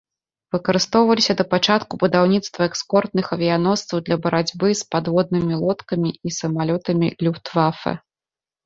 Выкарыстоўваліся да пачатку будаўніцтва эскортных авіяносцаў для барацьбы з падводнымі лодкамі і самалётамі люфтвафэ.